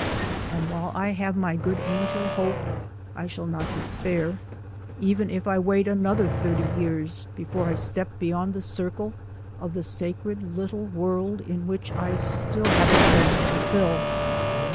"And while I have my good angel Hope, I shall not despair, even if I wait another thirty yeare before I step beyond the circle of the sacred little world in which I still have a place to fill."